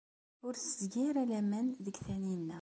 Ur tetteg ara laman deg Taninna.